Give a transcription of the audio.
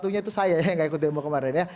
satunya itu saya yang gak ikut demo kemarin ya